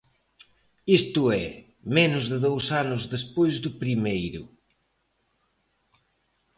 Isto é, menos de dous anos despois do primeiro.